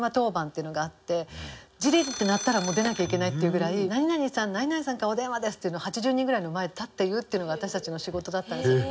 「ジリ」って鳴ったら出なきゃいけないっていうぐらい「何々さん何々さんからお電話です」っていうのを８０人ぐらいの前で立って言うっていうのが私たちの仕事だったんですけど。